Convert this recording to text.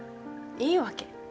いいわけ。